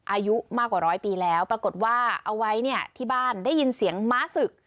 อายุมากกว่าร้อยปีแล้วปรากฏว่าเอาไว้เนี่ยที่บ้านได้ยินเสียงม้าศึก